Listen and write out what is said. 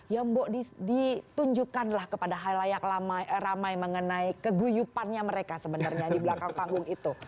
ya mbok ditunjukkanlah kepada hal layak ramai mengenai keguyupannya mereka sebenarnya di belakang panggung itu